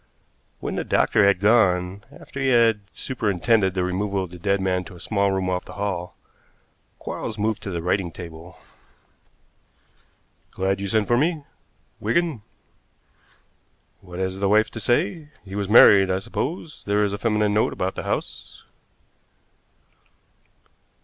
When the doctor had gone, after he had superintended the removal of the dead man to a small room off the hall, Quarles moved to the writing table. "Glad you sent for me, Wigan. What has the wife to say? He was married, I suppose? There is a feminine note about the house."